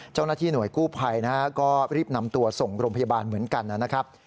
เจ้าหน้าที่หน่วยกู้ภัยนะฮะก็รีบนำตัวส่งโรงพยาบาลเหมือนกันนะครับ